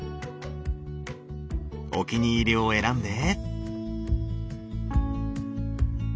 お気に入りを選んで。